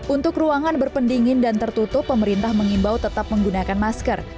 untuk ruangan berpendingin dan tertutup pemerintah mengimbau tetap menggunakan masker